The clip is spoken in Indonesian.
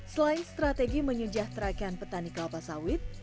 selain strategi menyejahterakan petani kelapa sawit